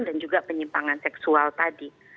dan juga penyimpangan seksual tadi